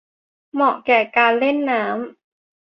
เหมาะแก่การเล่นน้ำ